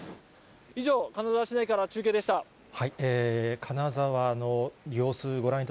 以上、金沢市内から中継でした。